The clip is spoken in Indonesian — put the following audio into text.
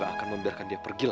jangan patuh connecting ini